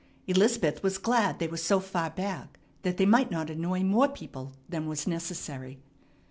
Elizabeth was glad they were so far back that they might not annoy more people than was necessary.